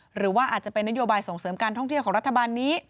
หรือว่าอาจจะเป็นนโยบายส่งเสริมการท่องเที่ยวของรัฐบาลนี้